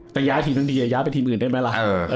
แต่ย้าทีมทั้งทีย้าไปทีมอื่นได้มั้ยล่ะ